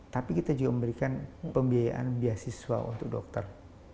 tapi kita juga memberikan pembiayaan beasiswa untuk dokter